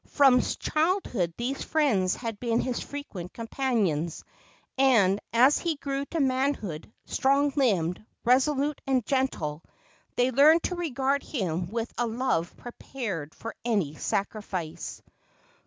From childhood these friends had been his frequent companions, and as he grew to manhood, strong limbed, resolute and gentle, they learned to regard him with a love prepared for any sacrifice.